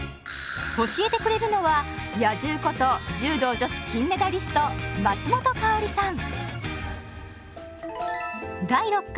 教えてくれるのは「野獣」こと柔道女子金メダリスト松本薫さん。